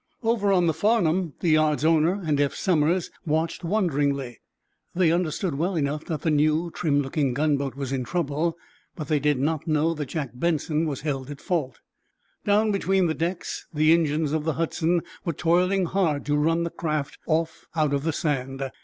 Over on the "Farnum" the yard's owner and Eph Somers watched wonderingly. They understood, well enough, that the new, trim looking gunboat was in trouble, but they did not know that Jack Benson was held at fault. Down between decks the engines of the "Hudson" were toiling hard to run the craft off out of the sand.